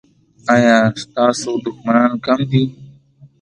ایا ستاسو دښمنان کم دي؟